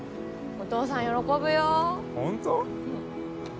お父さん喜ぶよホント？